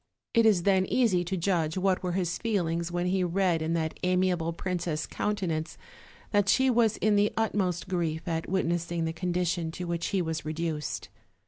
It is then easy to judge what were his feelings when he read in that amiable princess' countenance that she was in the utmost grief at witnessing the condition to which he was reduced.